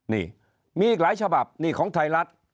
นี่มีอีกหลายฉบับนี่ของไทยรัฐ